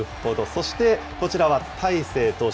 そして、こちらは大勢投手。